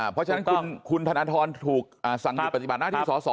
เพราะฉะนั้นคุณธนทรถูกสั่งหยุดปฏิบัติหน้าที่สอสอ